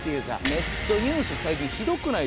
ネットニュース最近ひどくないですか？